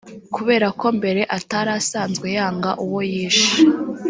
kubera ko mbere atari asanzwe yanga uwo yishe.